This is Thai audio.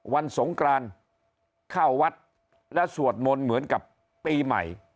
สงกรานเข้าวัดและสวดมนต์เหมือนกับปีใหม่